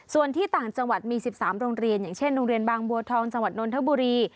ส่วนที่ต่างจังหวัดมี๑๓โรงเรียนอย่างเช่นโรงเรียนบางบัวทองจังหวัดนทบุรี